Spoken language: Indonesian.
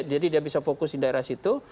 jadi dia bisa fokus di daerah situ